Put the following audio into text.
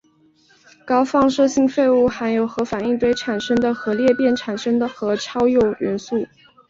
高放射性废物含有核反应堆产生的核裂变产物和超铀元素。